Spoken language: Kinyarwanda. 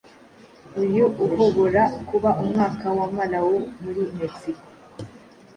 Uyu uhobora kuba umwaka wamarao muri Mexico